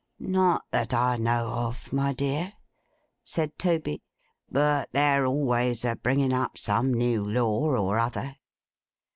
'Not that I know of, my dear,' said Toby. 'But they're always a bringing up some new law or other.